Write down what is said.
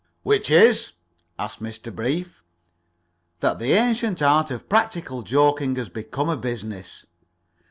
"Which is?" asked Mr. Brief. "That the ancient art of practical joking has become a business.